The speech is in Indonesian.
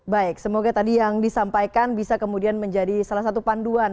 baik semoga tadi yang disampaikan bisa kemudian menjadi salah satu panduan